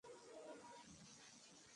কিন্তু এর মধ্যে সংগীত চর্চা চালিয়ে গেছেন।